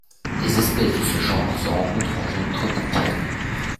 Les espèces de ce genre se rencontrent en zone tropicale.